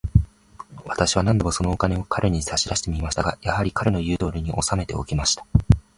私は何度も、そのお金を彼に差し出してみましたが、やはり、彼の言うとおりに、おさめておきました。